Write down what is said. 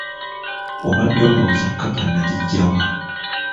Obadde olowooza kkapa nagiggya wa?